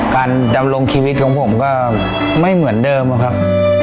ดำรงชีวิตของผมก็ไม่เหมือนเดิมครับ